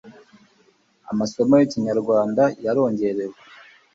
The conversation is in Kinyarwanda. amasomo y' Ikinyarwanda yarongerewe